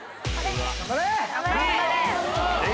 頑張れ。